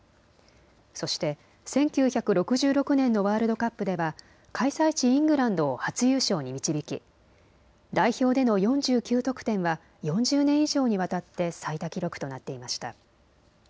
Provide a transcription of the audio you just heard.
そして１９６６年のワールドカップでは開催地イングランドを初優勝に導き代表での４９得点は４０年以上にわたって最多記録となっていました。